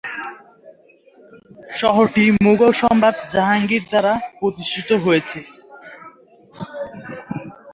শহরটি মুঘল সম্রাট জাহাঙ্গীর দ্বারা প্রতিষ্ঠিত হয়েছে।